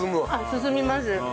進みます。